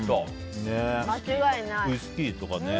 ウイスキーとかね。